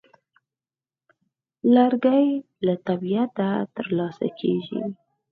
لرګی له طبیعته ترلاسه کېږي.